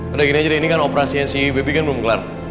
udah gini aja ini kan operasinya si bp kan belum kelar